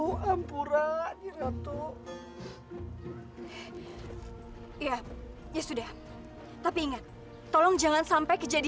kamu tidak punya saudara selain kami